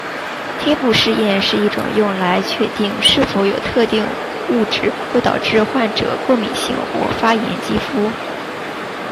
贴布试验是一种用来确定是否有特定物质会导致患者过敏性或发炎肌肤。